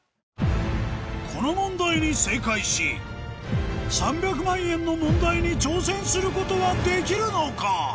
この問題に正解し３００万円の問題に挑戦することはできるのか？